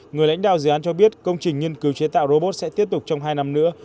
người lãnh đạo dự án cho biết công trình nghiên cứu chế tạo robot sẽ tiếp tục trong hai năm nữa